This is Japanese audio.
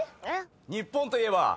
日本といえば。